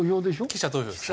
記者投票です。